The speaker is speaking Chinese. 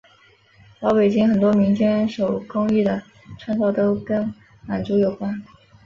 老北京很多民间手工艺的创造都跟满族有关。